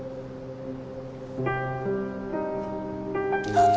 あっ